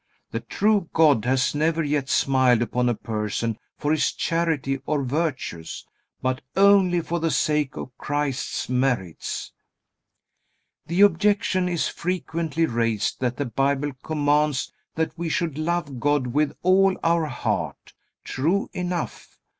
The true God has never yet smiled upon a person for his charity or virtues, but only for the sake of Christ's merits. The objection is frequently raised that the Bible commands that we should love God with all our heart. True enough.